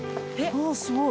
ああすごい。